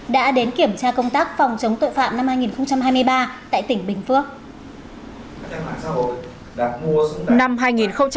đã đến kiểm tra công tác phòng chống tội phạm năm hai nghìn hai mươi ba tại tỉnh bình phước